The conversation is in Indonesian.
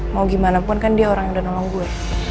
mau gimana pun kan dia orang udah nolong gue